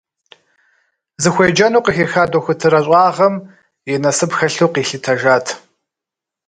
Зыхуеджэну къыхиха дохутыр ӏэщӏагъэм и насып хэлъу къилъытэжат.